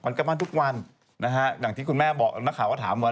อย่างที่คุณแม่บอกนักข่าวก็ถามว่า